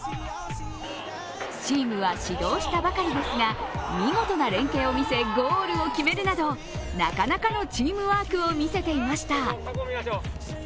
チームは始動したばかりですが見事な連係を見せゴールを決めるなど、なかなかのチームワークを見せていました。